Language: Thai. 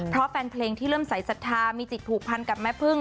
เพราะแฟนเพลงที่เริ่มสายศรัทธามีจิตผูกพันกับแม่พึ่ง